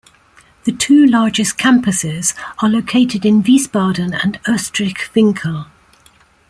The two largest campuses are located in Wiesbaden and Oestrich-Winkel.